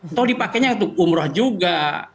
atau dipakainya umroh juga